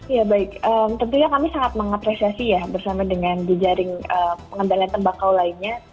ya baik tentunya kami sangat mengapresiasi ya bersama dengan jejaring pengendalian tembakau lainnya